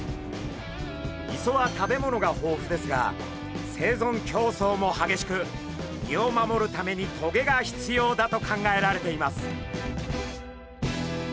磯は食べ物が豊富ですが生存競争も激しく身を守るために棘が必要だと考えられています。